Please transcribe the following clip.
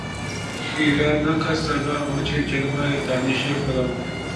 خیرہ نہ کر سکا مجھے جلوۂ دانش فرنگ